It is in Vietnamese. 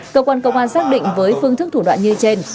cơ quan công an xác định với phương thức thủ đoạn như trên